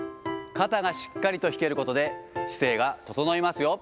肩がしっかりと引けることで姿勢が整いますよ。